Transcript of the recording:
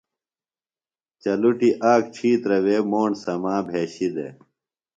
چلُٹیۡ آک ڇھیترہ وےۡ موݨ سما بھشی دےۡ۔